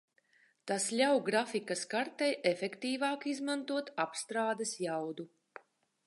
Tas ļauj grafikas kartei efektīvāk izmantot apstrādes jaudu.